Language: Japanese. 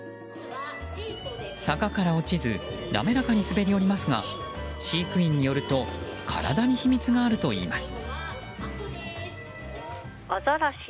坂から落ちず滑らかに滑り降りますが飼育員によると体に秘密があるといいます。